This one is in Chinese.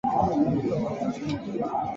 当赍首赴阙。